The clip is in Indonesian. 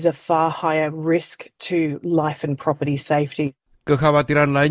kekhawatiran lainnya kegiatan yang terjadi di dalam kebanyakan peralatan